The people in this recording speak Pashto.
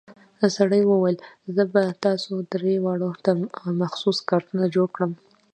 سړي وويل زه به تاسو درې واړو ته مخصوص کارتونه جوړ کم.